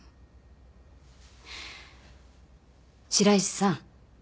白石さん。